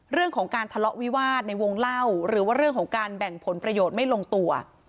เรื่องของการทะเลาะวิวาสในวงเล่าหรือว่าเรื่องของการแบ่งผลประโยชน์ไม่ลงตัว